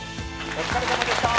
お疲れさまでした。